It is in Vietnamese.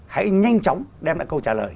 hãy nhanh chóng đem lại câu trả lời